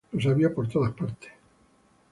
Los había por todas partes.